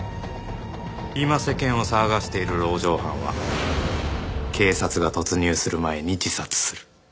今世間を騒がせている籠城犯は警察が突入する前に自殺する。